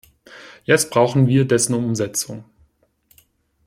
Jetzt brauchen wir dessen Umsetzung.